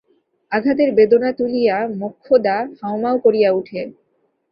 আঘাতের বেদনা তুলিয়া মোক্ষদা হাউমাউ করিয়া উঠে।